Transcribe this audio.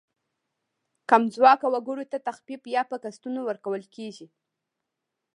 کم ځواکه وګړو ته تخفیف یا په قسطونو ورکول کیږي.